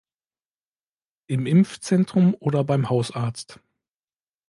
Im Impfzentrum oder beim Hausarzt.